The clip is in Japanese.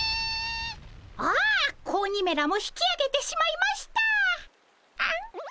ああ子鬼めらも引きあげてしまいました。